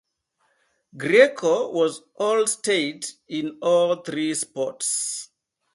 Grieco was All-State in all three sports.